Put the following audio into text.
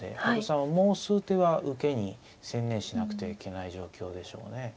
羽生さんはもう数手は受けに専念しなくてはいけない状況でしょうね。